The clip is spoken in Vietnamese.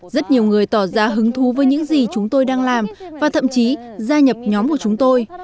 rất nhiều người tỏ ra hứng thú với những gì chúng tôi đang làm và thậm chí gia nhập nhóm của chúng tôi